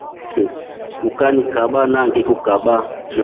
Ukanyikaba nani ngekukaba.